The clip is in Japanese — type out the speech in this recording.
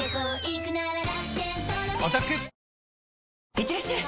いってらっしゃい！